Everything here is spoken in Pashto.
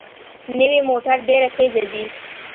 نوې موټر ډېره تېزه ځي